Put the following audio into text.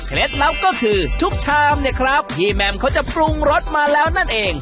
ลับก็คือทุกชามเนี่ยครับพี่แมมเขาจะปรุงรสมาแล้วนั่นเอง